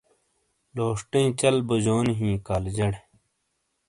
لوشٹئیں چل بوجونی ہِیں کالجٹ